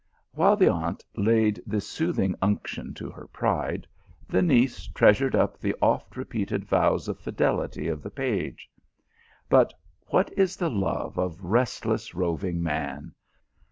While the aunt laid this soothing unction to her pride, the niece treasured up the oft repeated vows of fidelity of the page. But what is the love of restless, roving man